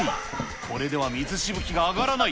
これでは水しぶきが上がらない。